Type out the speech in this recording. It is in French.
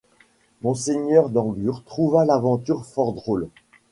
Monseigneur d'Anglure trouva l'aventure fort drôle.